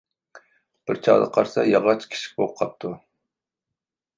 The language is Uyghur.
بىر چاغدا قارىسا، ياغاچ كىچىك بولۇپ قاپتۇ.